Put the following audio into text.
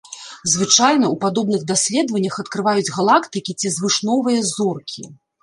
Звычайна ў падобных даследаваннях адкрываюць галактыкі ці звышновыя зоркі.